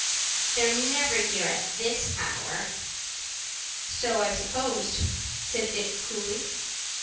"They're never here at this hour." "So I supposed," said Dick, coolly.